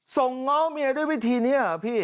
ง้อเมียด้วยวิธีนี้เหรอพี่